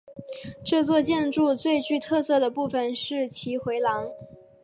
这座建筑最具特色的部分是其回廊。